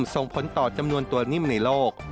ส่งผลต่อจำนวนตัวนิ่มในโลก